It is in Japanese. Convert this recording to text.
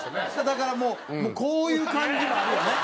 だからもうこういう感じもあるよね。